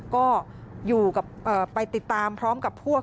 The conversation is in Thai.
ก็ไปติดตามพร้อมกับพวก